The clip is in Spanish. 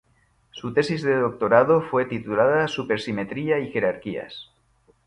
Su tesis de doctorado fue titulada "Supersimetría y jerarquías".